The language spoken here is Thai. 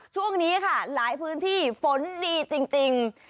ช่วงนี้ค่ะหลายพื้นที่ฝนดีจริง